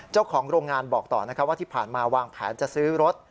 เจ้าของโรงงานบอกต่อนะครับว่าที่ผ่านมาวางแผนจะซื้อรถ